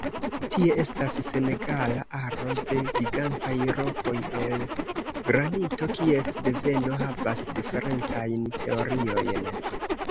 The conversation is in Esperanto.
Tie estas senegala aro de gigantaj rokoj el granito kies deveno havas diferencajn teoriojn.